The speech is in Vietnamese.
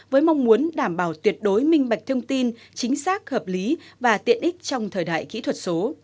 với mong muốn đảm bảo tuyệt đối minh bạch thông tin chính xác hợp lý và tiện ích trong thời đại kỹ thuật số